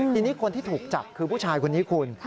ทีนี้คนที่ถูกจับคือผู้ชายคนนี้คุณ